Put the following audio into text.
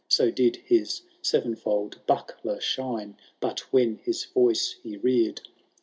So did hlB sevenfold buckler shine v— But when his voice he reared.